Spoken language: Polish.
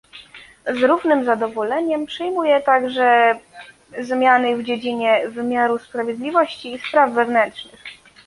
Z równym zadowoleniem przyjmuję także zmiany w dziedzinie wymiaru sprawiedliwości i spraw wewnętrznych